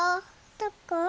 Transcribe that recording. どこ？